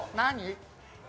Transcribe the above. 何？